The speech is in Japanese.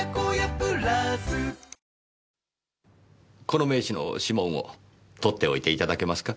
この名刺の指紋を取っておいていただけますか？